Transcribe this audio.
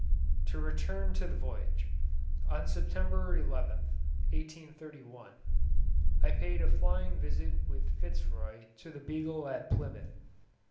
To return to the voyage. On September 11th (1831), I paid a flying visit with Fitz Roy to the "Beagle" at Plymouth.